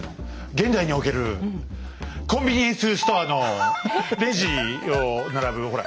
現代におけるコンビニエンスストアのレジを並ぶほら